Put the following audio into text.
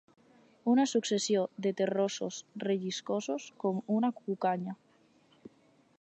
Una successió de terrossos relliscosos com una cucanya